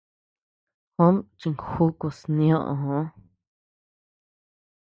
Juóm chinjukus niöo.